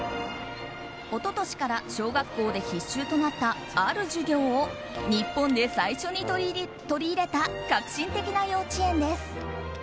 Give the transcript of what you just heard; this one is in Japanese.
一昨年から小学校で必修となったある授業を日本で最初に取り入れた革新的な幼稚園です。